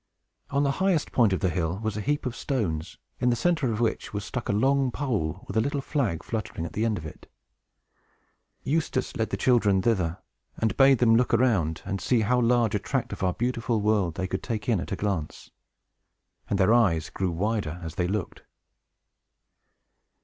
On the highest point of the hill was a heap of stones, in the centre of which was stuck a long pole, with a little flag fluttering at the end of it. Eustace led the children thither, and bade them look around, and see how large a tract of our beautiful world they could take in at a glance. And their eyes grew wider as they looked.